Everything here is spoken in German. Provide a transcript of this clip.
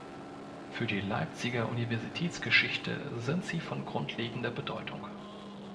Für die Leipziger Universitätsgeschichte sind sie von grundlegender Bedeutung.